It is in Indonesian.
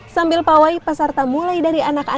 sambil pawai peserta mulai dari anak anak